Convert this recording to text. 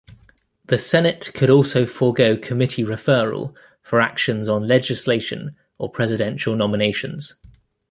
The Senate could also forgo committee referral for actions on legislation or presidential nominations.